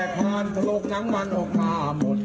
เพราะโลกนั้นมันออกมาหมด